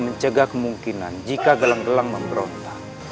mencegah kemungkinan jika gelang gelang memberontak